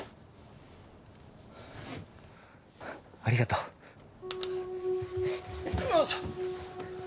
ありがとう。